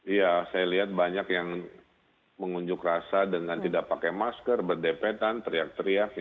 iya saya lihat banyak yang mengunjuk rasa dengan tidak pakai masker berdepetan teriak teriak